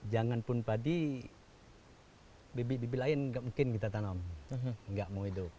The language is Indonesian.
jangan pun padi bibit bibi lain nggak mungkin kita tanam nggak mau hidup